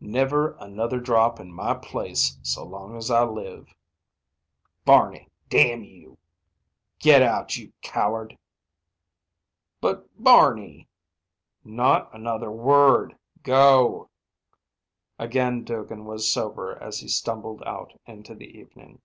"Never another drop in my place so long as I live." "Barney, damn you!" "Get out! You coward!" "But, Barney " "Not another word. Go." Again Duggin was sober as he stumbled out into the evening.